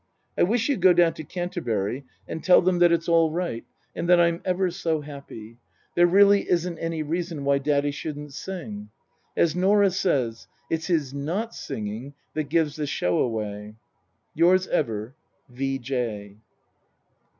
I wish you'd go down to Canterbury and tell them that it's all right 8* 116 Tasker Jevons and that I'm ever so happy. There really isn't any reason why Daddy shouldn't sing. " As Norah says : 'It's his not singing that gives the show away/ " Yours ever, V. J."